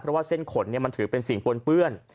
เพราะว่าเส้นขนมันถือเป็นสิ่งปนเปื้อน